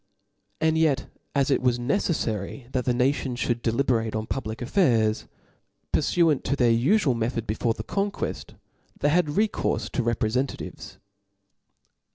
And yet as it was necelfary that the nation (hould dell . berate on public affairs, purfuant to their ufual method before the conqueft ; they had rccourfe to reprefentativcs.